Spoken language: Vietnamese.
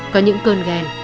có những cơn ghen